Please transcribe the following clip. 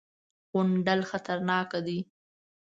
_غونډل خطرناکه دی.